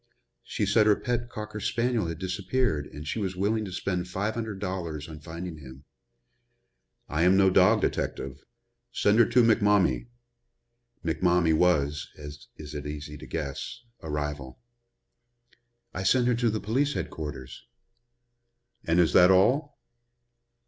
"She said her pet cocker spaniel had disappeared and she was willing to spend five hundred dollars on finding him." "I am no dog detective. Send her to McMommie." McMommie was, as it is easy to guess, a rival. "I sent her to police headquarters." "And is that all?"